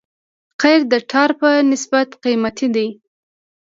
قیر د ټار په نسبت قیمتي دی